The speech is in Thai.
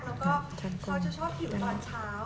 แล้วเขาจะชอบอยู่ตอนเช้า